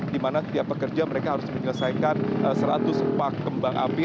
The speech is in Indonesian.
di mana setiap pekerja mereka harus menyelesaikan seratus pak kembang api